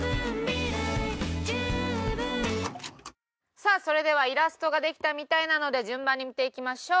さあそれではイラストができたみたいなので順番に見ていきましょう。